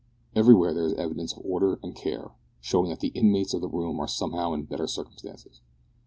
Everywhere there is evidence of order and care, showing that the inmates of the room are somehow in better circumstances.